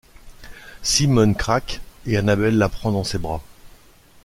Simone craque et Annabelle la prend dans ses bras.